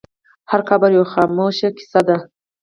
هر قبر یوه خاموشه کیسه ده.